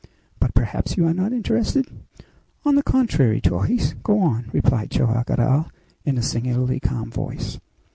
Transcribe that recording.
But perhaps you are not interested?" "On the contrary, Torres; go on," replied Joam Garral, in a singularly calm voice.